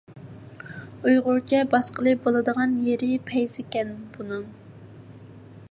ئۇيغۇرچە باسقىلى بولىدىغان يېرى پەيزىكەن بۇنىڭ.